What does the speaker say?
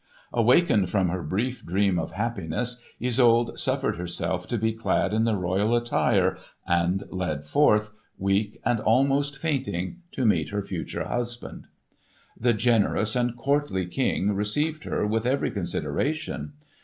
Awakened from her brief dream of happiness, Isolde suffered herself to be clad in the royal attire and led forward, weak and almost fainting, to meet her future husband. The generous and courtly King received her with every consideration.